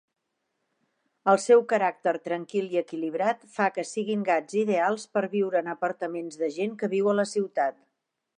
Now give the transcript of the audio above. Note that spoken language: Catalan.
El seu caràcter tranquil i equilibrat fa que siguin gats ideals per viure en apartaments de gent que viu a la ciutat.